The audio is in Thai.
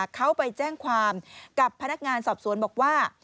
เขาไปแจ้งความกับพนักงานสอบสวนบอกว่า